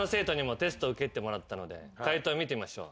解答見てみましょう。